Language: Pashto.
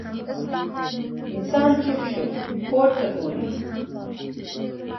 انسان چوپ شو، پورته ګوري.